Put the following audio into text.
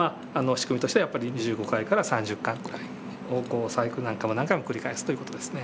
仕組みとしてはやっぱり２５回から３０回くらいを何回も何回も繰り返すという事ですね。